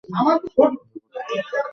সুন্দর গোটা গোটা হাতের লেখা।